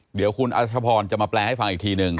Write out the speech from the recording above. เดี๋ยวคุณอัชพรจะมาแปลให้ฟังอีกทีหนึ่ง